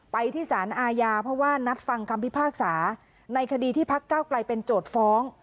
ไปที่สารอาญาเพราะว่านัดฟังคำพิพากษาในคดีที่พักเก้าไกลเป็นโจทย์ฟ้อง